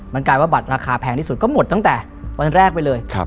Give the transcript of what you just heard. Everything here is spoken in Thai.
มันกลายว่าบัตรราคาแพงที่สุดก็หมดตั้งแต่วันแรกไปเลย